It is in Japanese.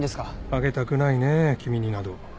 あげたくないね君になど。